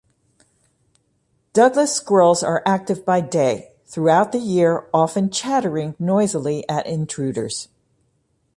Douglas squirrels are active by day, throughout the year, often chattering noisily at intruders.